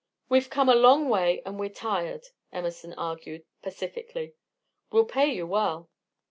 "We've come a long way, and we're tired," Emerson argued, pacifically. "We'll pay you well."